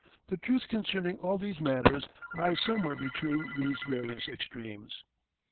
The truth concerning all these matters lies somewhere between these various extremes.